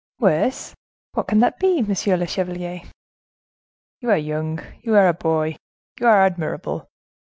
"Worse! What can that be, monsieur le chevalier?" "You are young, you are a boy, you are admirable.